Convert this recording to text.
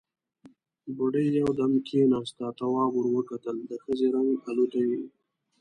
بوډۍ يودم کېناسته، تواب ور وکتل، د ښځې رنګ الوتی و.